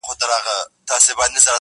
په گلونو کي د چا د خولې خندا ده,